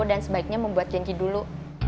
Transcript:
sebaiknya membuat janji dulu